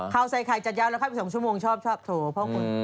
เขาใส่ไข่จัดยาวแล้วคลับอีกสองชั่วโมงชอบโถพ่อคุณ